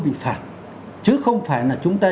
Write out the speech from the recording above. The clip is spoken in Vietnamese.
bị phạt chứ không phải là chúng ta